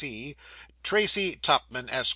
P.C., Tracy Tupman, Esq.